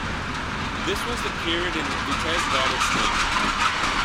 This was the period in Vitez got its name.